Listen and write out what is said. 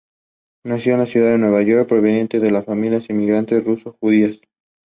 Displacement was about standard and full load.